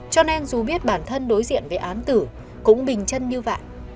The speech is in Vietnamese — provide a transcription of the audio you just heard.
cho nên dù biết bản thân đối diện với án tử cũng bình chân như vậy